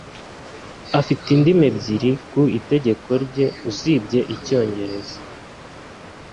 Afite indimi ebyiri ku itegeko rye usibye Icyongereza.